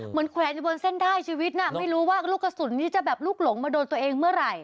แขวนอยู่บนเส้นได้ชีวิตน่ะไม่รู้ว่าลูกกระสุนนี้จะแบบลูกหลงมาโดนตัวเองเมื่อไหร่